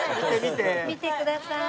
見てください。